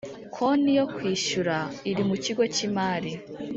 konti yo kwishyura iri mu kigo cy imari